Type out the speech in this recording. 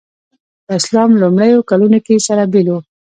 په اسلام لومړیو کلونو کې سره بېل وو.